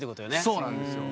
そうなんですよ。